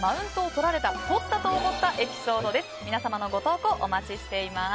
とった！と思ったエピソードです。